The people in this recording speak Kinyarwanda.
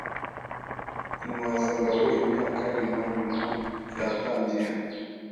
Intwazangabo-imyaka-nyuma nyuma yatangiye